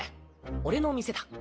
俺の店だ。